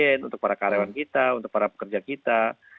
untuk para karyawan kita untuk para pekerja kita